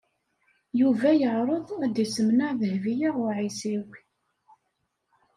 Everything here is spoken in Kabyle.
Yuba yeɛreḍ ad d-isemneɛ Dehbiya u Ɛisiw.